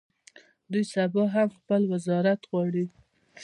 دوی سبا هم خپل وزارت غواړي.